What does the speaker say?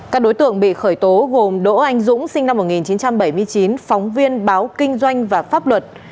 các đối tượng bị khởi tố gồm đỗ anh dũng sinh năm một nghìn chín trăm bảy mươi chín phóng viên báo kinh doanh và pháp luật